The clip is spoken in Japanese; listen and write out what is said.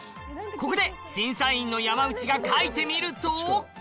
ここで、審査員の山内が書いてみると。